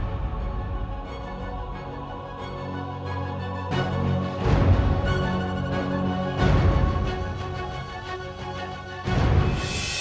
aku akan membuatmu malu